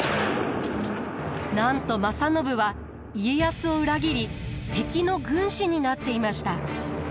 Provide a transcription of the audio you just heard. なんと正信は家康を裏切り敵の軍師になっていました。